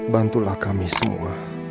bantulah kami semua